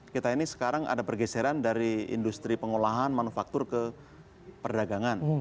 kita ini sekarang ada pergeseran dari industri pengolahan manufaktur ke perdagangan